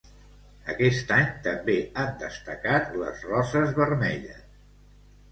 Aquest any també han destacat les roses vermelles.